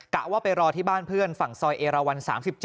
ว่าไปรอที่บ้านเพื่อนฝั่งซอยเอราวัน๓๗